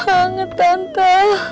aku rugi banget tante